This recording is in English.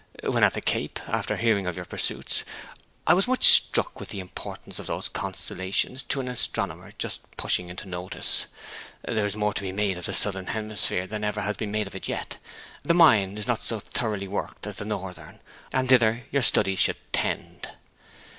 When at the Cape, after hearing of your pursuits, I was much struck with the importance of those constellations to an astronomer just pushing into notice. There is more to be made of the Southern hemisphere than ever has been made of it yet; the mine is not so thoroughly worked as the Northern, and thither your studies should tend.